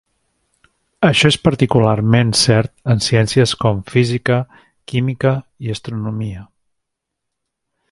Això és particularment cert en ciències com física, química i astronomia.